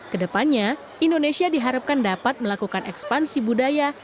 kedepannya indonesia diharapkan dapat melakukan ekspansi budaya